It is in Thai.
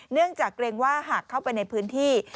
เนื่องจากเกรงว่าหากเข้าไปในพื้นที่